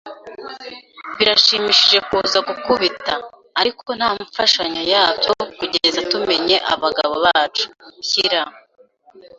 birashimishije kuza gukubita. Ariko nta mfashanyo yabyo kugeza tumenye abagabo bacu. Shyira,